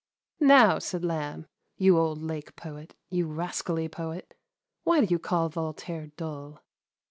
*' Now," said Lamb, " you old lake poet, you ras cally poet, why do you call Voltaire dull